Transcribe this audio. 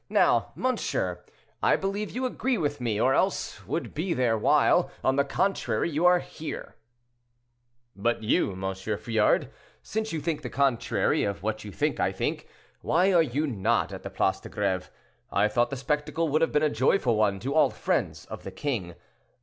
Now, monsieur, I believe you agree with me, or else would be there, while, on the contrary, you are here." "But you, M. Friard, since you think the contrary of what you think I think, why are you not at the Place de Greve? I thought the spectacle would have been a joyful one to all friends of the king.